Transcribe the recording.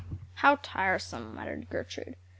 "How tiresome!" muttered Gertrude.